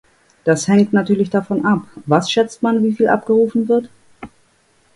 Das hängt natürlich davon ab, was schätzt man, wie viel abgerufen wird?